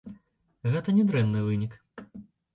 Гэта не дрэнны вынік.